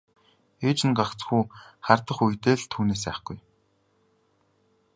Ээж нь гагцхүү хардах үедээ л түүнээс айхгүй.